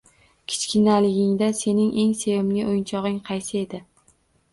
Kichkinaligingda sening eng sevimli o‘yinchog‘ing qaysi edi?